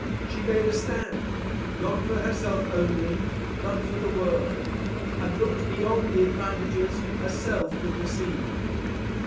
She made a stand, not for herself only, but for the world, and looked beyond the advantages herself could receive.